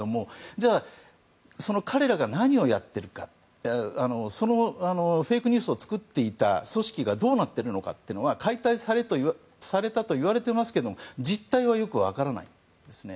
じゃあ、彼らが何をやっているかそのフェイクニュースを作っていた組織がどうなっているのかというのは解体されたといわれていますけど実態はよく分からないんですね。